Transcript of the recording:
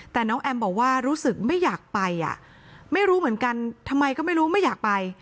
แต่น้องแอมบอกว่ารู้สึกไม่อยากไปอ่ะไม่รู้เหมือนกันทำไมก็ไม่รู้ไม่อยากไป